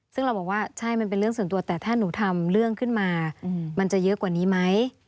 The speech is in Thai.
ซึ่งเราบอกว่าใช่มันเป็นเรื่องส่วนตัวแต่ถ้าหนูทำเรื่องขึ้นมามันจะเยอะกว่านี้ไหม